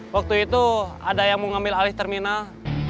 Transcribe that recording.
waktu itu ada yang mau ngambil alih terminal